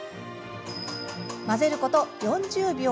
混ぜること４０秒。